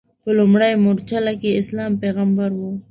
په لومړۍ مورچله کې اسلام پیغمبر و.